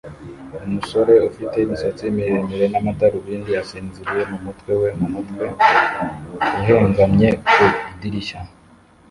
Umusore ufite imisatsi miremire n'amadarubindi asinziriye mu mutwe we umutwe uhengamye ku idirishya